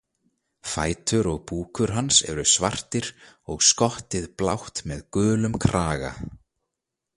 Fætur og búkur hans eru svartir og skottið blátt með gulum kraga.